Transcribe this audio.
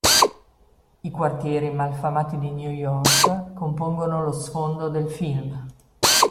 I quartieri malfamati di New York compongono lo sfondo del film.